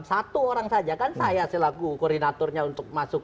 satu orang saja kan saya selaku koordinatornya untuk masuk